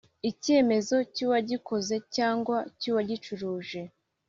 icyemezo cy'uwagikoze cyangwa cy'uwagicuruje